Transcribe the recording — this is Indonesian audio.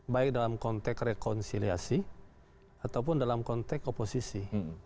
baik dalam konteks rekonsiliasi ataupun dalam konteks oposisi